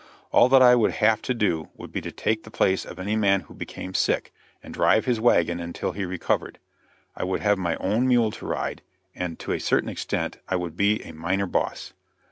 All that I would have to do would be to take the place of any man who became sick, and drive his wagon until he recovered. I would have my own mule to ride, and to a certain extent I would be a minor boss.